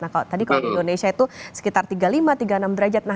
kalau tadi kalau di indonesia itu sekitar tiga puluh lima tiga puluh enam derajat